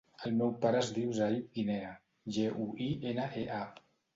El meu pare es diu Zayd Guinea: ge, u, i, ena, e, a.